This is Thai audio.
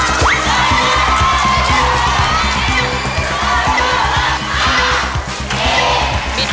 มีใส่เว้ยมีใส่